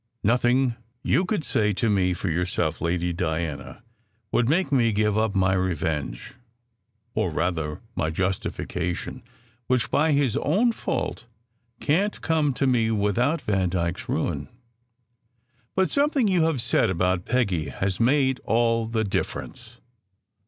Nothing you could say to me for yourself, Lady Diana, would make me give up my revenge, or rather my justification, which by his own fault can t come to me without Vandyke s ruin. But something you have said about Peggy has made all the difference."